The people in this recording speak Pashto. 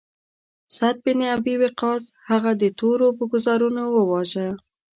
سعد بن ابی وقاص هغه د تورو په ګوزارونو وواژه.